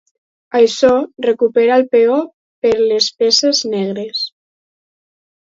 Això recupera el peó per les peces negres.